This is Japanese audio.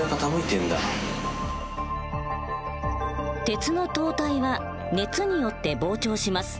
鉄の塔体は熱によって膨張します。